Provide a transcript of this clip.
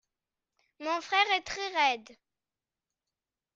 Mon frère est très raide.